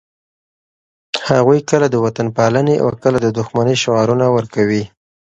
هغوی کله د وطنپالنې او کله د دښمنۍ شعارونه ورکوي.